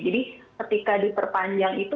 jadi ketika diperpanjang itu